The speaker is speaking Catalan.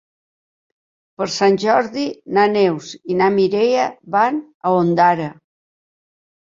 Per Sant Jordi na Neus i na Mireia van a Ondara.